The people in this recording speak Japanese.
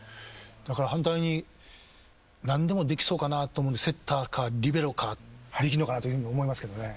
だから反対に何でもできそうかなと思うんでセッターかリベロかできんのかなというふうに思いますけどね。